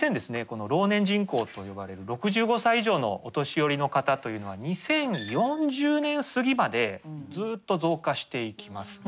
この老年人口と呼ばれる６５歳以上のお年寄りの方というのは２０４０年過ぎまでずっと増加していきます。